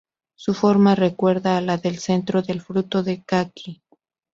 Su forma recuerda a la del centro del fruto del caqui.